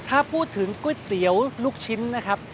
ถ้าพูดถึงก๋วยเตี๋ยวลูกชิ้นนะครับ